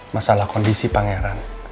masalah kondisi pangeran